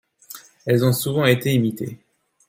Elles ont souvent été imitées.